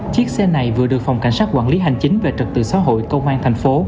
chiếc xe này vừa được phòng cảnh sát quản lý hành chính về trật tự xã hội công an thành phố